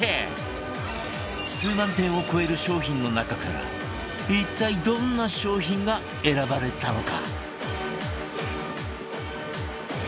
数万点を超える商品の中から一体どんな商品が選ばれたのか？